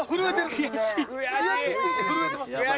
悔しすぎて震えてます。